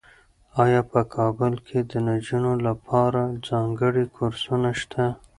ایا په کابل کې د نجونو لپاره ځانګړي کورسونه شته؟